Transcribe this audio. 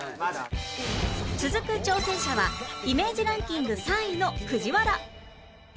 続く挑戦者はイメージランキング３位の藤原